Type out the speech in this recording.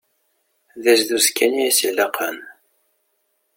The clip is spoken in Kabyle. D azduz kan i as-ilaqen.